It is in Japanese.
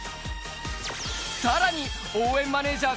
さらに、応援マネージャー